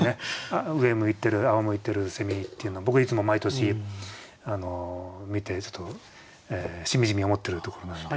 上向いてるあおむいてるっていうの僕いつも毎年見てしみじみ思ってるところなので。